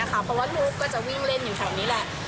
เพราะว่าลูกก็จะวิ่งเล่นอยู่แถวนี้แหละ